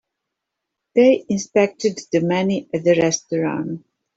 They inspected the menu at the restaurant.